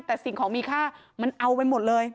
แต่สิ่งของมีค่ามันเอาไปหมดเลย